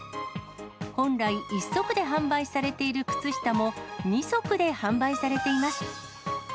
本来、１足で販売されている靴下も、２足で販売されています。